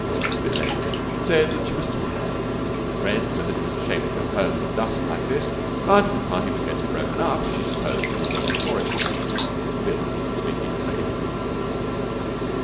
Miss Leonard said that she was tired. Her friend said that it was a shame to go home at dusk like this, but, if the party was going to be broken up, she supposed there was nothing else for it. Bill was too sleepy to say anything.